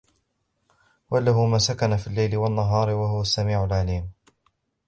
وله ما سكن في الليل والنهار وهو السميع العليم